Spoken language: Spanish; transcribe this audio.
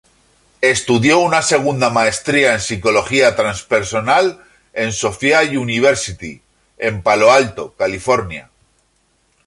Estudió una segunda maestría en Psicología Transpersonal en Sofia University, en Palo Alto, California.